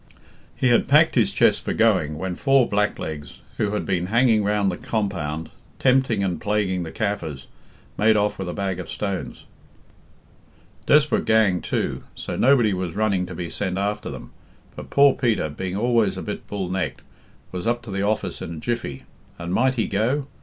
"'He had packed his chest for going, when four blacklegs, who had been hanging round the compound, tempting and plaguing the Kaffirs, made off with a bag of stones. Desperate gang, too; so nobody was running to be sent after them. But poor Peter, being always a bit bull necked, was up to the office in a jiffy, and Might he go?